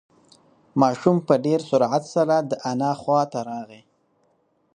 ماشوم په ډېر سرعت سره د انا خواته راغی.